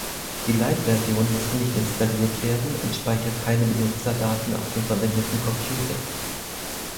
Die Lite-Version musste nicht installiert werden und speichert keine Benutzerdaten auf dem verwendeten Computer.